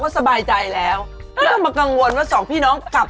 โหใจควอเขาเล่นแม่